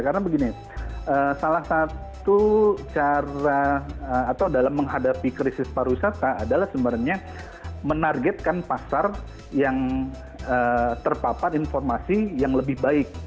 karena begini salah satu cara atau dalam menghadapi krisis pariwisata adalah sebenarnya menargetkan pasar yang terpapat informasi yang lebih baik